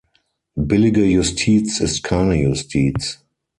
Billige Justiz ist keine Justiz.